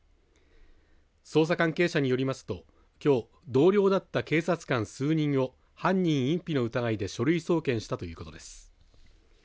捜査関係者によりますと、きょう同僚だった警察官数人を犯人隠避の疑いで書類送検したということです。